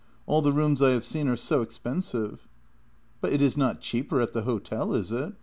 All the rooms I have seen are so expensive." " But it is not cheaper at the hotel, is it?